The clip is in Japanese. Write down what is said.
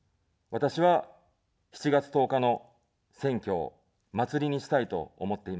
私は、７月１０日の選挙を祭りにしたいと思っています。